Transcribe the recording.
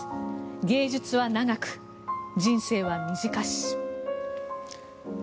「芸術は長く、人生は短し」。